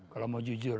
kalau mau jujur